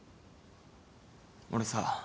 俺さ